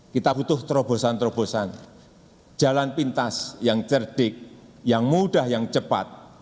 kita butuh terobosan terobosan jalan pintas yang cerdik yang mudah yang cepat